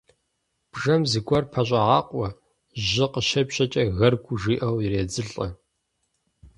Бжэм зыгуэр пэщӏэгъакъуэ, жьы къыщепщэкӏэ, «гаргу» жиӏэу иредзылӏэ.